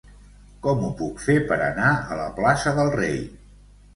Com ho puc fer per anar a la plaça del Rei?